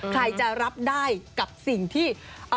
ใครจะรับได้กับสิ่งที่